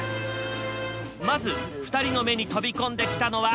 まず２人の目に飛び込んできたのは。